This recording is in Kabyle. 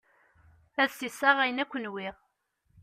Ad sisseɣ ayen akk nwiɣ.